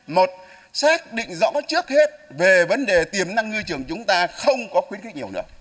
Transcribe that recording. một xác định rõ trước hết về vấn đề tiềm năng ngư trường chúng ta không có khuyến khích nhiều nữa